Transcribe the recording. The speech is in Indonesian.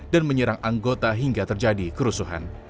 dan menyerang anggota hingga terjadi kerusuhan